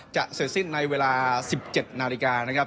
จะเสร็จสิ้นในเวลา๑๗นาฬิกานะครับ